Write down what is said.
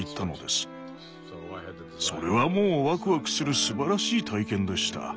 それはもうワクワクするすばらしい体験でした。